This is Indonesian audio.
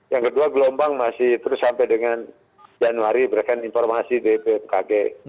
yang kedua gelombang masih terus sampai dengan januari berdasarkan informasi dari bmkg